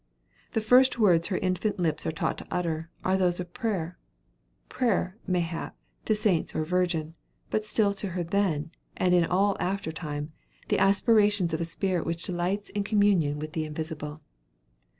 The first words her infant lips are taught to utter, are those of prayer prayer, mayhap, to saints or virgin; but still to her then and in all after time, the aspirations of a spirit which delights in communion with the Invisible.